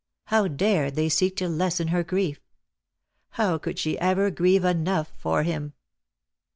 How dared they seek to lessen her grief? How could she ever grieve enough for him?